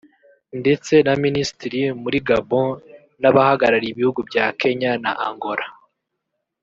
ndetse na Minisitiri muri Gabon n’abahagarariye ibihugu bya Kenya na Angola